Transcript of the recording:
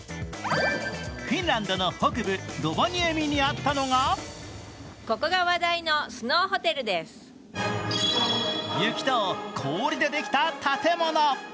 フィンランドの北部、ロヴァニエミにあったのが雪と氷でできた建物。